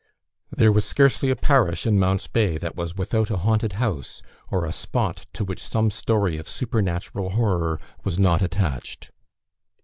There was scarcely a parish in the Mount's Bay that was without a haunted house, or a spot to which some story of supernatural horror was not attached.